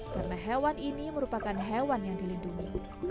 karena hewan ini merupakan hewan yang dilindungi